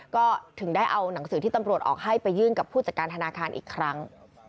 ก็ถึงได้เอาหนังสือที่ตำรวจออกให้ไปยื่นกับผู้จัดการธนาคารอีกครั้ง